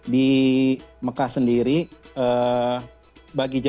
di mekah sendiri bagi jemaah